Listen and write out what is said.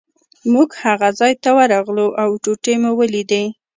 موږ هغه ځای ته ورغلو او ټوټې مو ولیدې.